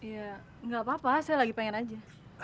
ya nggak apa apa saya lagi pengen aja